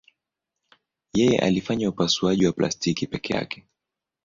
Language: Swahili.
Yeye alifanya upasuaji wa plastiki peke yake.